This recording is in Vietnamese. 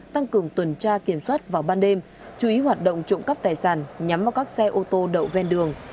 tăng cường tuần tra kiểm soát vào ban đêm chú ý hoạt động trộm cắp tài sản nhắm vào các xe ô tô đậu ven đường